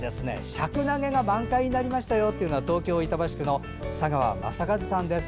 しゃくなげが満開になりましたというのは東京都板橋区の佐川正一さんです。